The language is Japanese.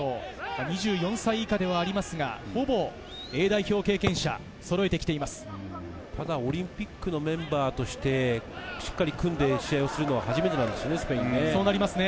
２４歳以下ではありますが、ほぼＡ代表経オリンピックのメンバーとしてしっかり組んで試合をするのは初めてなんですよね、スペインも。